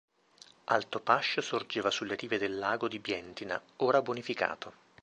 Altopascio sorgeva sulle rive del lago di Bientina, ora bonificato.